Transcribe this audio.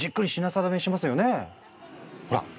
ほら！